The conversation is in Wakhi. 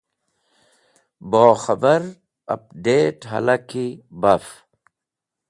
Bokhẽbar/apd̃et̃ halaki baf